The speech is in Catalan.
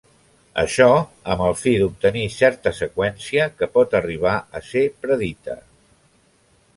Això, amb el fi d'obtenir certa seqüència que pot arribar a ser predita.